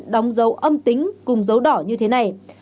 đóng dấu âm tính và đồng tính